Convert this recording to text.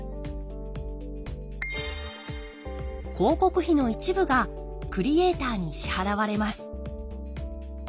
広告費の一部がクリエーターに支払われます。